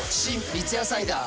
三ツ矢サイダー』